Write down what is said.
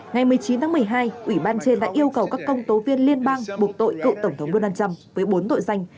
ngày một mươi chín tháng một mươi hai ủy ban trên đã yêu cầu các công tố viên liên bang buộc tội cựu tổng thống donald trump với bốn tội danh